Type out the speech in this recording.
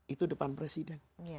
itu depan presiden